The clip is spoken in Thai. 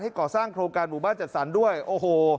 ก่อสร้างโครงการหมู่บ้านจัดสรรด้วยโอ้โห